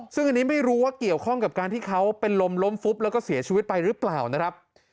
ซึ่งอันนี้ไม่รู้ว่าเกี่ยวข้องกับการที่เขาเป็นลมล้มฟุบแล้วก็เสียชีวิตไปหรือเปล่านะครับ